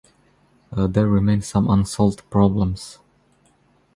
There remain some unsolved problems.